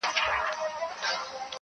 هوښيارانو دي راوړي دا نكلونه-